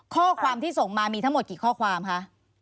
ข้อความที่ส่งมามีทั้งหมดกี่ข้อความคะ